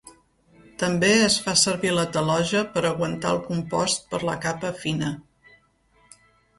També es fa servir la taloja per aguantar el compost per la capa fina.